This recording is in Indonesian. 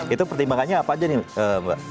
itu pertimbangannya apa aja nih mbak